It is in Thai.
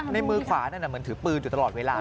ในมือขวานั่นเหมือนถือปืนอยู่ตลอดเวลา